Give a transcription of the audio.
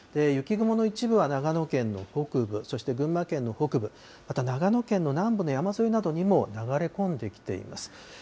雪雲の一部は長野県の北部、群馬県の北部、また、長野県の南部の山沿いなどにも流れ込んできています。